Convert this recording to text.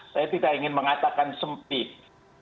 saya tidak ingin mengatakan sempit